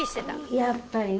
やっぱりね。